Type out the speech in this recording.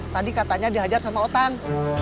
tadi katanya dihajar sama otan